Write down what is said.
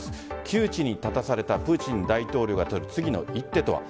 窮地に立たされたプーチン大統領が取る次の一手とは。